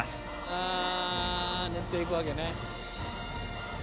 あ塗っていくわけね。